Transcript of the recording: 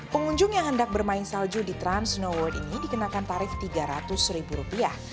pengunjung yang hendak bermain salju di transnoworld ini dikenakan tarif tiga ratus ribu rupiah